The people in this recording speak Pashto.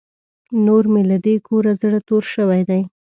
نور مې له دې کوره زړه تور شوی دی.